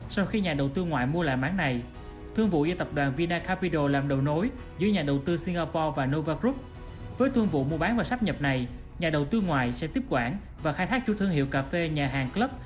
sang thị trường trung quốc là chín mươi bảy